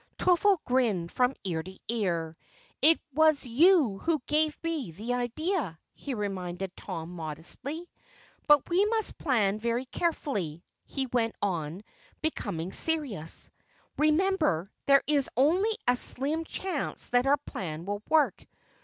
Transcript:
Twiffle grinned from ear to ear. "It was you who gave me the idea," he reminded Tom modestly. "But we must plan very carefully," he went on, becoming serious. "Remember, there is only a slim chance that our plan will work.